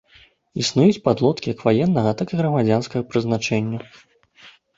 Існуюць падлодкі як ваеннага, так і грамадзянскага прызначэння.